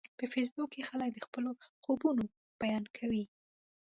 په فېسبوک کې خلک د خپلو خوبونو بیان کوي